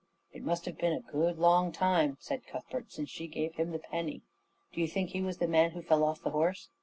"It must have been a good long time," said Cuthbert, "since she gave him the penny. Do you think he was the man who fell off the horse?"